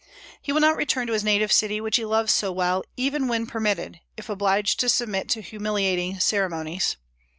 He will not return to his native city, which he loves so well, even when permitted, if obliged to submit to humiliating ceremonies.